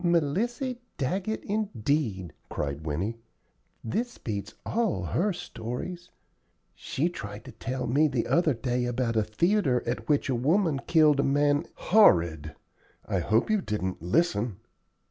"Melissy Daggett, indeed!" cried Winnie. "This beats all her stories. She tried to tell me the other day about a theatre at which a woman killed a man " "Horrid! I hope you didn't listen?"